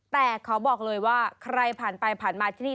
แต่ขอบอกเลยว่าใครผ่านไปผ่านมาที่นี่